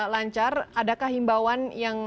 lancar adakah himbawan yang